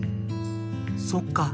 そっか。